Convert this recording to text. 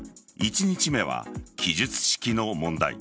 １日目は記述式の問題。